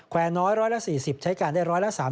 น้อย๑๔๐ใช้การได้๑๓๐